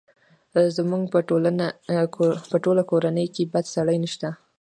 زموږ په ټوله کورنۍ کې بد سړی نه شته!